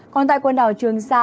còn tại quần đảo trường sa